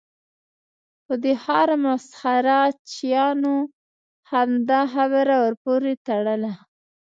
خو د ښار مسخره چیانو همدا خبره ور پورې تړله.